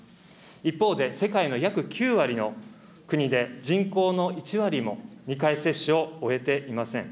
一方で、世界の約９割の国で、人口の１割も、２回接種を終えていません。